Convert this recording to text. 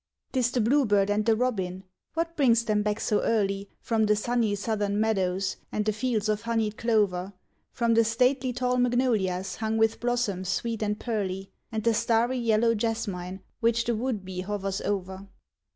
'T is the bluebird and the robin, what brings them back so early From the sunny southern meadows, and the fields of honeyed clover, From the stately tall magnolias, hung with blossoms sweet and pearly, And the starry yellow jasmine which the wood bee hovers over?